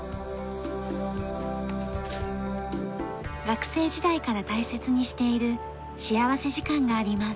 学生時代から大切にしている幸福時間があります。